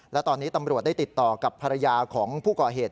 และตอนนี้ตำรวจได้ติดต่อกับภรรยาของผู้ก่อเหตุ